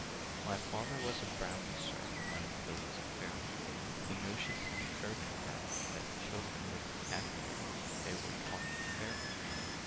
"My father was a Brownie, Sir; My mother was a Fairy. The notion had occurred to her, The children would be happier, If they were taught to vary.